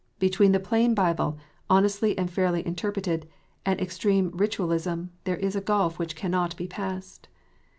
Between the plain Bible, honestly and fairly interpreted, and extreme Ritualism, there is a gulf which cannot IDC passed.